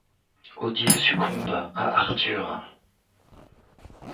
Odile succombe à Arthur.